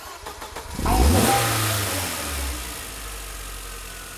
ایا زه باید غر ته وخیزم؟